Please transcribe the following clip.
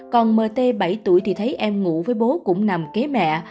còn mt bảy tuổi thì thấy em ngủ với bố cũng nằm kế mẹ